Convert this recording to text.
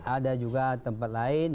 ada juga tempat lain